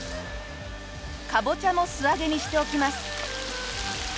カボチャも素揚げにしておきます。